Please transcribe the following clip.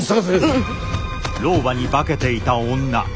うん。